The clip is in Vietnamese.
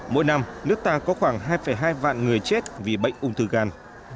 mỗi năm nước ta có khoảng hai hai vạn người chết vì bệnh ung thư gan